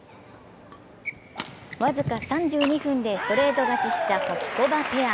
僅か３２分でストレート勝ちしたホキコバペア。